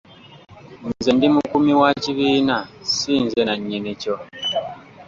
Nze ndi mukuumi wa kibiina ssi nze nannyini kyo.